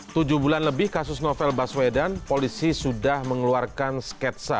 tujuh bulan lebih kasus novel baswedan polisi sudah mengeluarkan sketsa